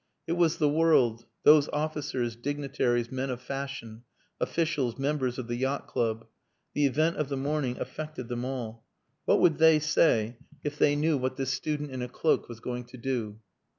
It was the world those officers, dignitaries, men of fashion, officials, members of the Yacht Club. The event of the morning affected them all. What would they say if they knew what this student in a cloak was going to do?